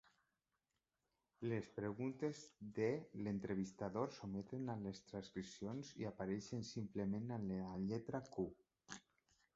Les preguntes de l'entrevistador s'ometen a les transcripcions i apareixen simplement amb la lletra Q.